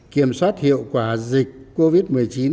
kiểm soát hiệu quả dịch covid một mươi chín